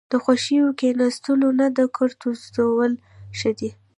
ـ د خوشې کېناستو نه د کرتو زدولو ښه دي.